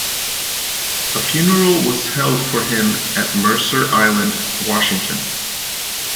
A funeral was held for him at Mercer Island, Washington.